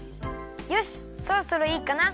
よしそろそろいいかな。